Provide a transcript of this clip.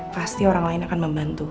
pasti orang lain akan membantu